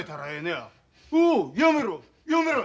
やめろ！